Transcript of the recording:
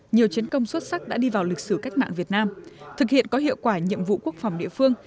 nhiều chiến công xuất sắc đã đi vào lịch sử cách mạng việt nam thực hiện có hiệu quả nhiệm vụ quốc phòng địa phương